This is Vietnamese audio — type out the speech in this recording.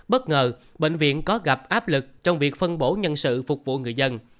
bất ngờ bệnh viện có gặp áp lực trong việc phân bổ nhân sự phục vụ người dân